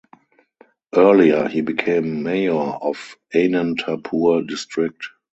Earlier he became Mayor of Anantapur district.